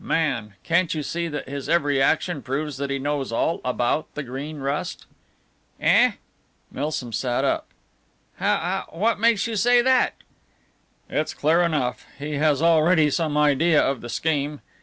Man! Can't you see that his every action proves that he knows all about the Green Rust?" "Eh?" Milsom sat up. "How what makes you say that?" "It's clear enough. He has already some idea of the scheme.